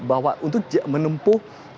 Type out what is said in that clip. bahwa untuk menempuh